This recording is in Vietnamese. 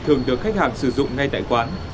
thường được khách hàng sử dụng ngay tại quán